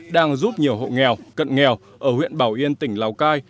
đang giúp nhiều hộ nghèo cận nghèo ở huyện bảo yên tỉnh lào cai